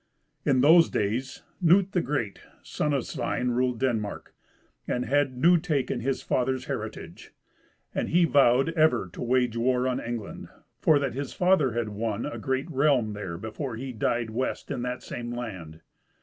In those days Knut the Great, son of Svein, ruled Denmark, and had new taken his father's heritage, and he vowed ever to wage war on England, for that his father had won a great realm there before he died west in that same land.